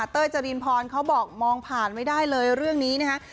จรินพรเขาบอกมองผ่านไม่ได้เลยเรื่องนี้นะฮะ